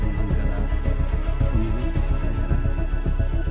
saya berharap saya berharap saya berharap saya berharap tiga puluh nhol